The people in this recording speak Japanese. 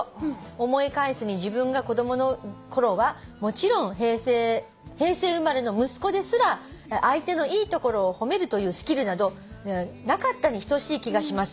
「思い返すに自分が子供のころはもちろん平成生まれの息子ですら相手のいい所を褒めるというスキルなどなかったに等しい気がします」